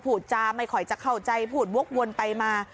พูดจาไม่ค่อยจะเข้าใจพูดวกวนไปมา